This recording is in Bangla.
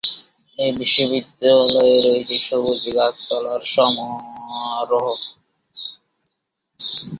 এ বিশ্ববিদ্যালয়ে রয়েছে সবুজ গাছপালার সমারোহ।